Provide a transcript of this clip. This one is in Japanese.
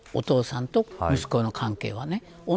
お父さんと息子の関係はね。